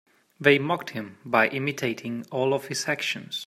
They mocked him by imitating all of his actions.